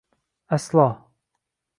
Aslo!